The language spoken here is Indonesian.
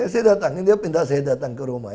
saya datang ini dia pindah saya datang ke rumah